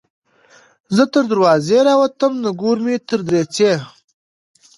ـ زه تر دروازې راوتم نګور مې تر دريچې